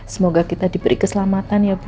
semoga kita diberi keselamatan ya bu